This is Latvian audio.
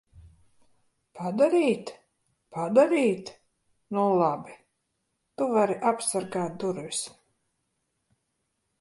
Padarīt? Padarīt? Nu labi. Tu vari apsargāt durvis.